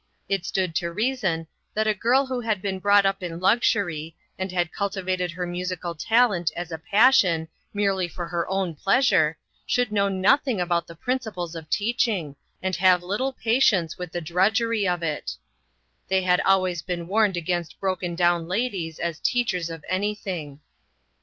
It stood to reason that a girl who had been brought up in luxury, and had cultivated her musical talent as a passion, merely for her own pleasure, should know nothing about the principles of teach ing, and have little patience with the drudg ery of it. They had always been warned against broken down ladies as teachers of anything.